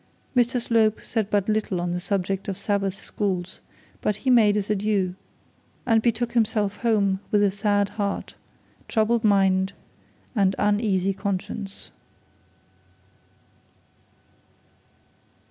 Mr Slope said but little on the subject of Sabbath schools, but he made his adieu, and betook himself home with a sad heart, troubled mind, and uneasy conscience.